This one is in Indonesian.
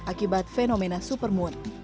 akibat fenomena supermoon